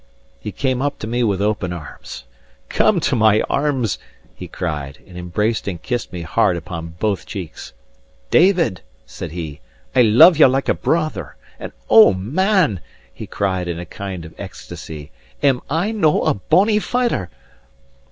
He came up to me with open arms. "Come to my arms!" he cried, and embraced and kissed me hard upon both cheeks. "David," said he, "I love you like a brother. And O, man," he cried in a kind of ecstasy, "am I no a bonny fighter?"